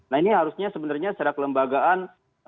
nah ini harusnya sebenarnya secara kelembagaan